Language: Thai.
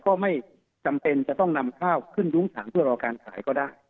ก็ไม่จำเป็นจะต้องนำข้าวขึ้นยุ้งถังเพื่อรอการขายก็ได้